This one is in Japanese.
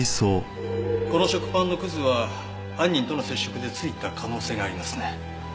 この食パンのくずは犯人との接触でついた可能性がありますね。